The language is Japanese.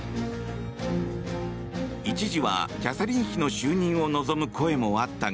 一時はキャサリン妃の就任を望む声もあったが